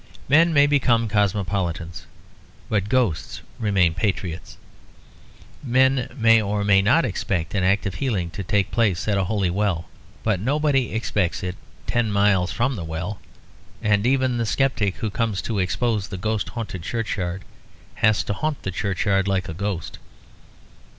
Men may become cosmopolitans, but ghosts remain patriots. Men may or may not expect an act of healing to take place at a holy well, but nobody expects it ten miles from the well; and even the sceptic who comes to expose the ghost haunted churchyard has to haunt the churchyard like a ghost.